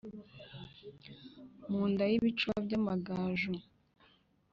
mu nda y’ibicuba by’amagaju.